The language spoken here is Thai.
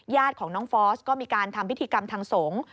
ญาติของน้องฟอสก็มีการทำพิธีกรรมทางสงฆ์